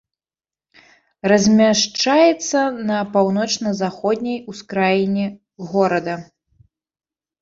Размяшчаецца на паўночна-заходняй ускраіне горада.